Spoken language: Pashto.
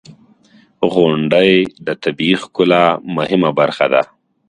• غونډۍ د طبیعی ښکلا مهمه برخه ده.